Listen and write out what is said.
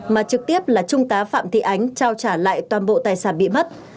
mà trực tiếp là trung tá phạm thị ánh trao trả lại toàn bộ tài sản bị mất